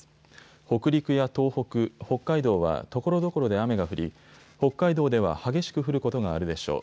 北陸や東北、北海道はところどころで雨が降り、北海道では激しく降ることがあるでしょう。